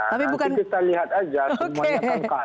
nanti kita lihat aja semuanya akankah